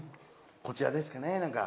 こちらですかねなんか。